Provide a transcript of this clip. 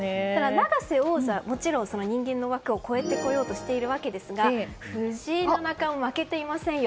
永瀬王座、もちろん人間の枠を超えてこようとしているわけですが藤井七冠、負けていませんよ。